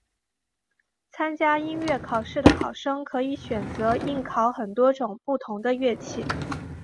参加音乐考试的考生可以选择应考很多种不同的乐器。